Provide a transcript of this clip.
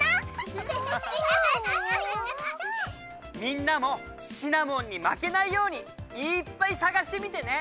みんなもシナモンに負けないようにいっぱい探してみてね！